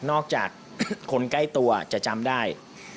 อกจากคนใกล้ตัวจะจำได้